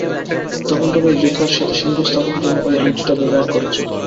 তখন, তুমি রিকার সাথে সংযোগ স্থাপনের জন্য ওই আংটিটা ব্যবহার করেছো।